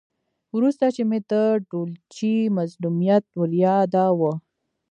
ورسته چې مې د ډولچي مظلومیت وریاداوه.